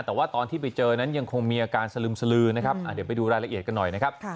แต่ว่าตอนที่ไปเจอนั้นยังคงมีอาการสลึมสลือนะครับเดี๋ยวไปดูรายละเอียดกันหน่อยนะครับ